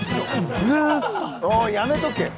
おいやめとけ！